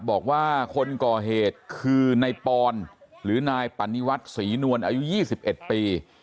บอกว่าคนก่อเหตุคือนายปอนหรือนายปันนิวัตรศรีนวลอายุยี่สิบเอ็ดปี